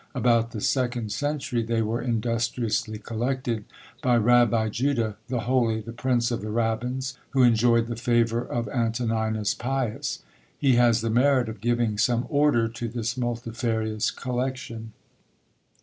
About the second century, they were industriously collected by Rabbi Juda the Holy, the prince of the rabbins, who enjoyed the favour of Antoninus Pius. He has the merit of giving some order to this multifarious collection.